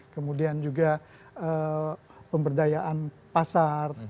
kemudian juga pemberdayaan pasar